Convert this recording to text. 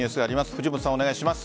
藤本さん、お願いしまし。